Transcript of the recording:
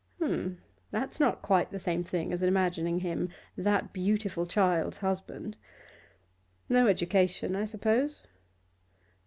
'H'm! That's not quite the same thing as imagining him that beautiful child's husband. No education, I suppose?